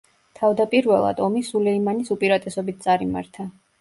თავდაპირველად, ომი სულეიმანის უპირატესობით წარიმართა.